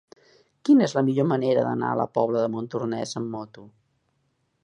Quina és la millor manera d'anar a la Pobla de Montornès amb moto?